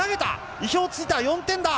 意表を突いた４点だ。